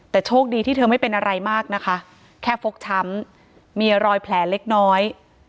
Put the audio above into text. แต่โชคดีที่เธอไม่เป็นอะไรมากนะคะแค่ฟกช้ำมีรอยแผลเล็กน้อย